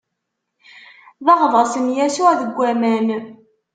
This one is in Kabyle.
D aɣḍaṣ n Yasuɛ deg waman.